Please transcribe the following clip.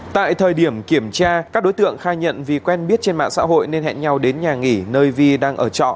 tại thời điểm kiểm tra các đối tượng khai nhận vì quen biết trên mạng xã hội nên hẹn nhau đến nhà nghỉ nơi vi đang ở trọ